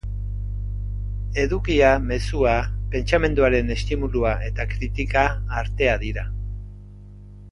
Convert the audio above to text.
Edukia, mezua, pentsamenduaren estimulua eta kritika artea dira.